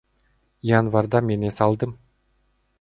Январда мен эс алдым.